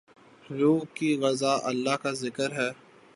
روح کی غذا اللہ کا ذکر ہے